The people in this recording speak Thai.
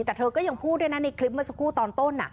แต่เธอก็ยังพูดด้วยนะในคลิปเมื่อสักครู่ตอนต้น